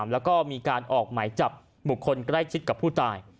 แล้วก็มีการออกหมายจับบุคคลใกล้ชิดกับผู้ตาย